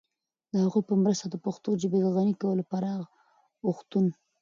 د هغوی په مرسته د پښتو ژبې د غني کولو پراخ اوښتون